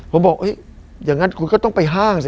ผมบอกอย่างนั้นคุณก็ต้องไปห้างสิ